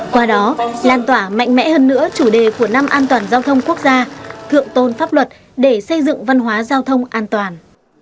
qua đó lan tỏa mạnh mẽ hơn nữa chủ đề của năm an toàn giao thông quốc gia thượng tôn pháp luật để xây dựng văn hóa giao thông an toàn